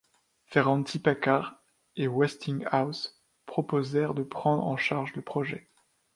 Ferranti-Packard et Westinghouse proposèrent de prendre en charge le projet.